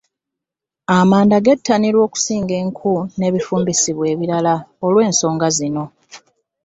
Amanda gettanirwa okusinga enku n’ebifumbisibwa ebirala olw’ensonga zino.